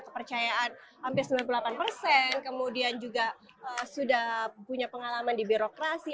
kepercayaan hampir sembilan puluh delapan persen kemudian juga sudah punya pengalaman di birokrasi